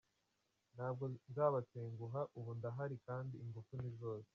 Ntabwo nzabatenguha ubu ndahari kandi ingufu ni zose”.